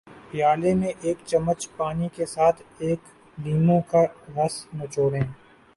پیالے میں ایک چمچ پانی کے ساتھ ایک لیموں کا رس نچوڑیں